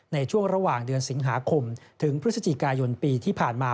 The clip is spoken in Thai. ในช่วงระหว่างเดือนสิงหาคมถึงพฤศจิกายนปีที่ผ่านมา